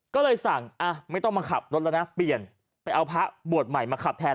ก็เลยสั่งไม่ต้องมาขับรถแล้วนะเปลี่ยนไปเอาพระบวชใหม่มาขับแทน